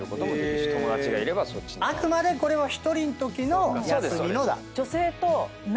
あくまでこれは１人のときの休みのだ。